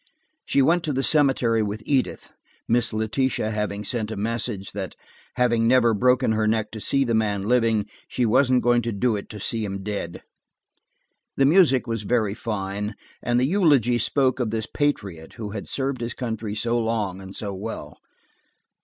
She went to the cemetery with Edith, Miss Letitia having sent a message that, having never broken her neck to see the man living, she wasn't going to do it to see him dead. The music was very fine, and the eulogy spoke of this patriot who had served his country so long and so well.